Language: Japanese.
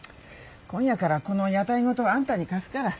今夜からこの屋台ごとあんたに貸すから。